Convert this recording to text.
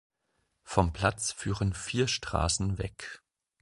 Vom Platz führen vier Straßen weg.